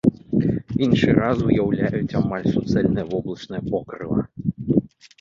Іншы раз уяўляюць амаль суцэльнае воблачнае покрыва.